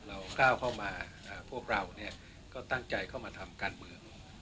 ก้าวเข้ามาพวกเราก็ตั้งใจเข้ามาทำการเมือง